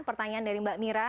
pertanyaan dari mbak mira